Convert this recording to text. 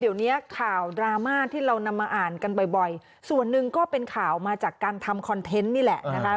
เดี๋ยวเนี้ยข่าวดราม่าที่เรานำมาอ่านกันบ่อยส่วนหนึ่งก็เป็นข่าวมาจากการทำคอนเทนต์นี่แหละนะคะ